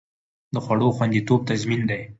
د خوړو خوندیتوب تضمین دی؟